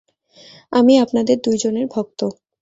আমি আপনাদের দুইজনের ভক্ত।